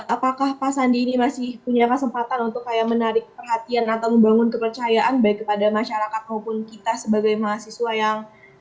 apakah pak sandi ini masih punya kesempatan untuk kayak menarik perhatian atau membangun kepercayaan baik kepada masyarakat maupun kita sebagai mahasiswa yang